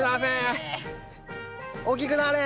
大きくなれ！